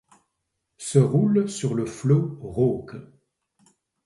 Se roule sur le flot rauque